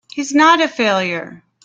He's not a failure!